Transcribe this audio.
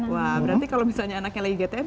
wah berarti kalau misalnya anaknya lagi gtm